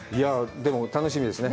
でも、楽しみですね。